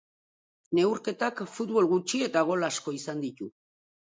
Neurketak futbol gutxi eta gol asko izan ditu.